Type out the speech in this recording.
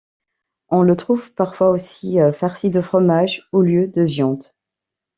On le trouve parfois aussi farci de fromage au lieu de viande.